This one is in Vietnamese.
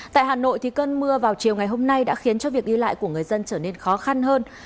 tại hà nội cơn mưa vào chiều ngày hôm nay đã khiến cho việc đi lại của người dân trở nên khó khăn hơn